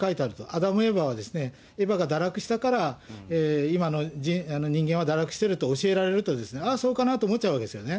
アダム、エバは、エバが堕落したから今の人間は堕落していると教えられると、ああ、そうかなと思っちゃうわけですよね。